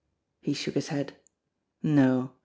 He shook his head. No !